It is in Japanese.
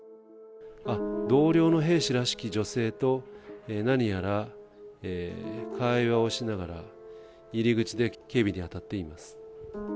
あっ、同僚の兵士らしき女性と、何やら会話をしながら入り口で警備に当たっています。